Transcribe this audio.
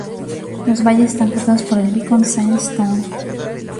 Los valles están cortados en el Beacon sandstone.